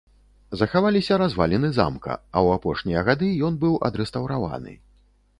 Захаваліся разваліны замка, а ў апошнія гады ён быў адрэстаўраваны.